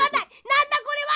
なんだこれは！